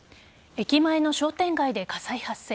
駅前の商店街で火災発生。